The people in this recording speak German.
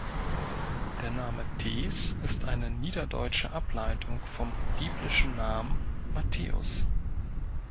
Der Name Thees ist eine niederdeutsche Ableitung vom biblischen Namen Matthäus.